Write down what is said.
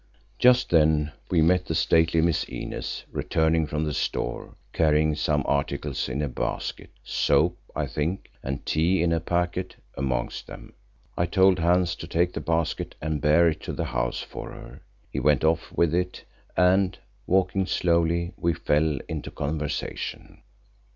Just then we met the stately Miss Inez returning from the store, carrying some articles in a basket, soap, I think, and tea in a packet, amongst them. I told Hans to take the basket and bear it to the house for her. He went off with it and, walking slowly, we fell into conversation.